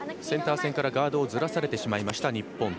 センター線からガードをずらされてしまった日本。